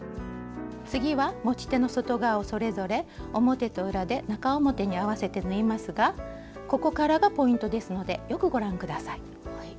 次は持ち手の外側をそれぞれ表と裏で中表に合わせて縫いますがここからがポイントですのでよくご覧下さい。